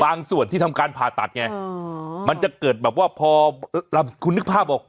ส่วนที่ทำการผ่าตัดไงมันจะเกิดแบบว่าพอคุณนึกภาพออก